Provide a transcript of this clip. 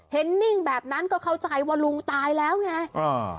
นิ่งแบบนั้นก็เข้าใจว่าลุงตายแล้วไงอ่า